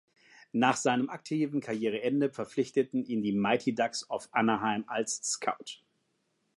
Nach seinem aktiven Karriereende verpflichteten ihn die Mighty Ducks of Anaheim als Scout.